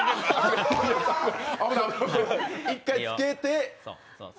１回つけて。